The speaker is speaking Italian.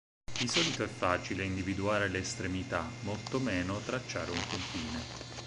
Di solito è facile individuare le estremità, molto meno tracciare un confine.